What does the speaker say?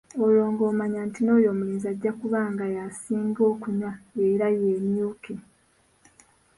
Olwo ng'omanya nti n'oyo omulenzi ajja kuba nga yasinga okunywa era yeemyuke.